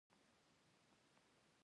څوک چې په دې راز پوه شي